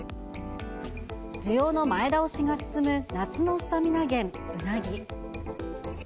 需要の前倒しが進む夏のスタミナ源、うなぎ。